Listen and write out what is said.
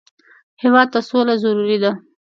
هېواد ته سوله ضروري ده